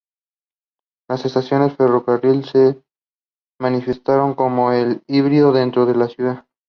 Las estaciones de ferrocarril se manifestaron como un híbrido dentro de la ciudad.